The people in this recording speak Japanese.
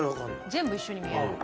全部一緒に見える。